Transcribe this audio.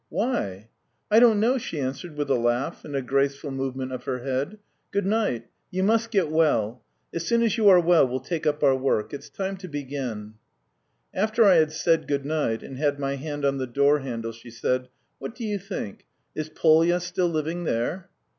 "Why?" "I don't know," she answered with a laugh and a graceful movement of her head. "Good night. You must get well. As soon as you are well, we'll take up our work. .. It's time to begin." After I had said good night and had my hand on the door handle, she said: "What do you think? Is Polya still living there?"